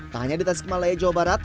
tanya di tasikmalaya jawa barat